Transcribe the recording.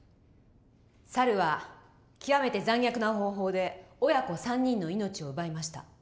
猿は極めて残虐な方法で親子３人の命を奪いました。